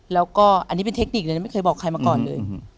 แล้วก็อันนี้เป็นเทคนิคเลยไม่เคยบอกใครมาก่อนเลย